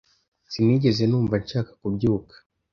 Sinigeze numva nshaka kubyuka.